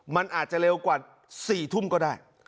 มันอาจจะเร็วกว่า๔ทุ่มก็ได้